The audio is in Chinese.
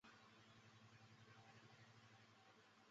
他因为一场突如其来的牢狱之灾而受到全社会的瞩目。